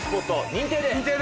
認定です。